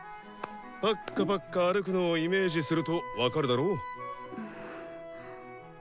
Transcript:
パッカパッカ歩くのをイメージすると分かるだろ？